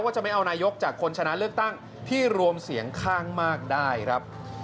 จะไม่เอานายกจากคนชนะเลือกตั้งที่รวมเสียงข้างมากได้ครับ